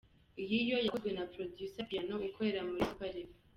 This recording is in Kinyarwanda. Iyi yo yakozwe na producer Piano ukorera muri super level.